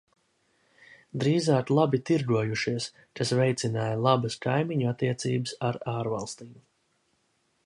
Drīzāk labi tirgojušies, kas veicināja labas kaimiņu attiecības ar ārvalstīm.